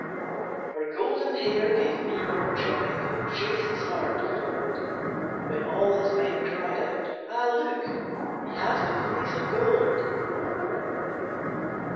Her golden hair gave me more joy Than Jason's heart could hold, When all his men cried out Ah, look! He has the Fleece of Gold!